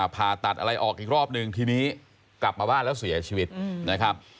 ผ่าตัดอะไรออกอีกรอบนึงทีนี้กลับมาบ้านแล้วเสียชีวิตนะครับ